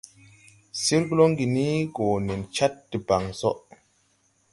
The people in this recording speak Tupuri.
Sir Golonguini go nen Chad debaŋ so.